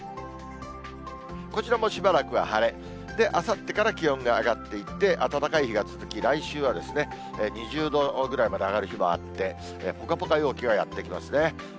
こちらもしばらくは晴れ、あさってから気温が上がっていって、暖かい日が続き、来週は２０度ぐらいまで上がる日もあって、ぽかぽか陽気がやって来ますね。